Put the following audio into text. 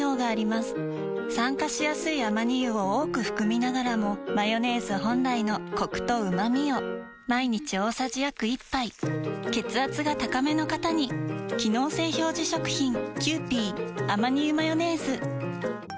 酸化しやすいアマニ油を多く含みながらもマヨネーズ本来のコクとうまみを毎日大さじ約１杯血圧が高めの方に機能性表示食品皆様。